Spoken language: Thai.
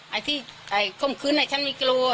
ไอ้ที่คมคืนฉันไม่กลัว